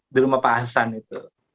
di rumah pahasan itu